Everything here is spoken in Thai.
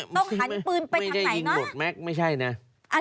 ต้องหันปืนไปทางไหนนะ